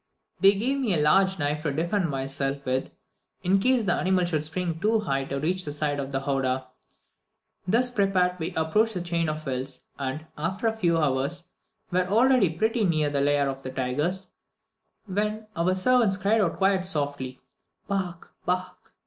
They gave me a large knife to defend myself with, in case the animal should spring too high and reach the side of the howdah. Thus prepared, we approached the chain of hills, and, after a few hours, were already pretty near the lair of the tigers, when our servants cried out quite softly, "Bach, bach!"